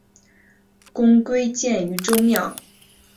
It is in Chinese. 公归荐于周庙。